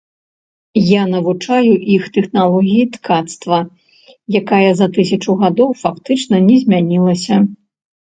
Я навучаю іх тэхналогіі ткацтва, якая за тысячу гадоў фактычна не змянілася.